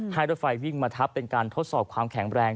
ให้รถไฟวิ่งมาทับเป็นการทดสอบความแข็งแรง